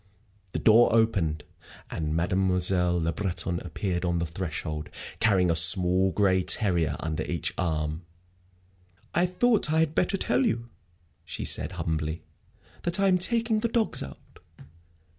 The door opened, and Mademoiselle Le Breton appeared on the threshold, carrying a small gray terrier under each arm. "I thought I had better tell you," she said, humbly, "that I am taking the dogs out.